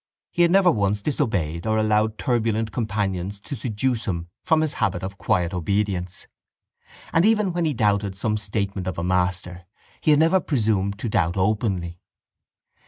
He had never once disobeyed or allowed turbulent companions to seduce him from his habit of quiet obedience; and, even when he doubted some statement of a master, he had never presumed to doubt openly.